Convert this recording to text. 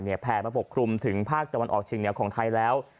แผ่มาปกคลุมถึงภาคตะวันออกเชียงเหนือของไทยแล้ว